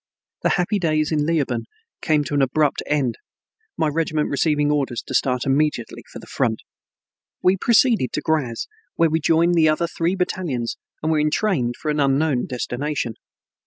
The happy days in Leoben came to an abrupt end, my regiment receiving orders to start immediately for the front. We proceeded to Graz, where we joined the other three battalions and were entrained for an unknown destination.